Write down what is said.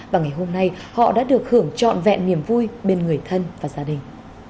và ngày hôm nay họ đã được hưởng trọn vẹn niềm vui bên người thân và gia đình